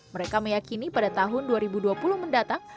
mereka meyakini pada tahun dua ribu dua puluh mendatang